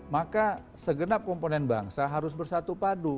maka segenap komponen bangsa harus bersatu padu